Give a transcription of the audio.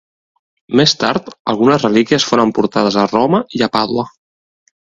Més tard, algunes relíquies foren portades a Roma i a Pàdua.